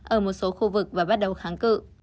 ở một số khu vực và bắt đầu kháng cự